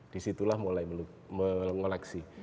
disitulah mulai mengoleksi